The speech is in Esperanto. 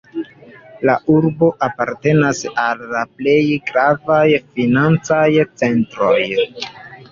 La urbo apartenas al la plej gravaj financaj centroj.